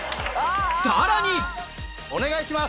さらにお願いします。